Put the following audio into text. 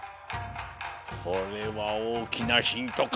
これはおおきなヒントかもしれんな。